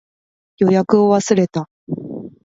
予約を忘れた